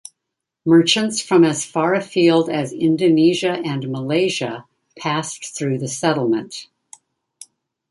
Merchants from as far afield as Indonesia and Malaysia passed through the settlement.